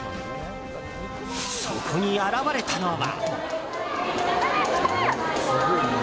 そこに現れたのは。